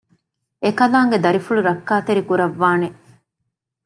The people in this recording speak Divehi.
އެކަލާނގެ ދަރިފުޅު ރައްކާތެރި ކުރައްވާނެ